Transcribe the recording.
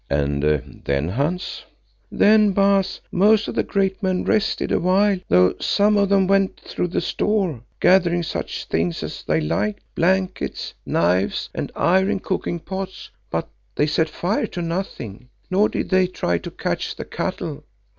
"And then, Hans?" "Then, Baas, most of the great men rested a while, though some of them went through the store gathering such things as they liked, blankets, knives and iron cooking pots, but they set fire to nothing, nor did they try to catch the cattle.